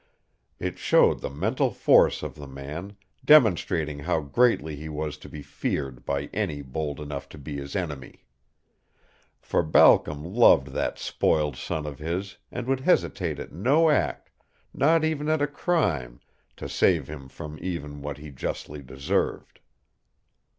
It showed the mental force of the man, demonstrating how greatly he was to be feared by any bold enough to be his enemy. For Balcom loved that spoiled son of his and would hesitate at no act, not even at a crime, to save him from even what he justly deserved.